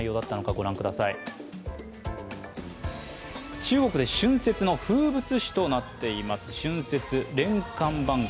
中国で春節の風物詩となっています、中国の聯歓晩会。